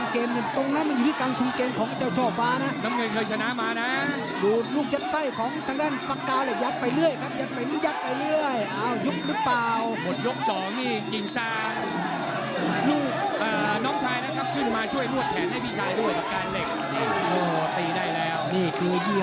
กดมวยไถรักษณ์สตูดิโอรัดภาว๑๐๑โดคบจากส่งไป